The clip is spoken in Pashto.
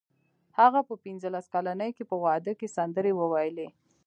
هغه په پنځلس کلنۍ کې په واده کې سندرې وویلې